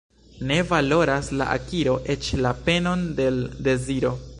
Ne valoras la akiro eĉ la penon de l' deziro.